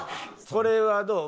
これはどう？